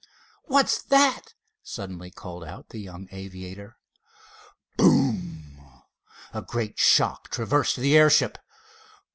"What's that?" suddenly called out the young aviator. Boom! A great shock traversed the airship!